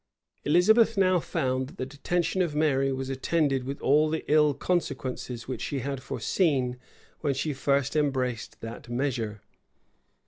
[*] Elizabeth now found that the detention of Mary was attended with all the ill consequences which she had foreseen when she first embraced that measure.